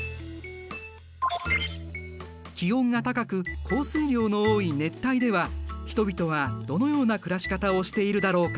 気温が高く降水量の多い熱帯では人々はどのような暮らし方をしているだろうか。